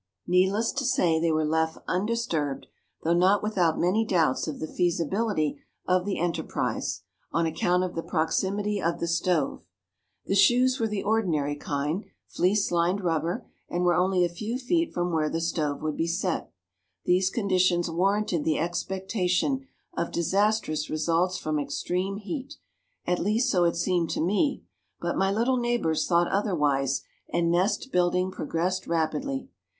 Needless to say they were left undisturbed, though not without many doubts of the feasibility of the enterprise, on account of the proximity of the stove. The shoes were the ordinary kind, fleece lined rubber, and were only a few feet from where the stove would be set. These conditions warranted the expectation of disastrous results from extreme heat at least so it seemed to me, but my little neighbors thought otherwise, and nest building progressed rapidly.